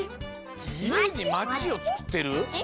いえにまちをつくってる？